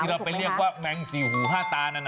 เราไปเรียกว่าแมงสี่หูห้าตานั่น